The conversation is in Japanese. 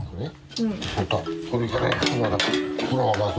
うん。